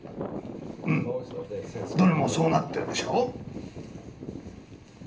うんどれもそうなってるでしょう？